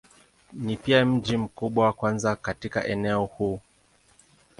Ni pia mji mkubwa wa kwanza katika eneo huu.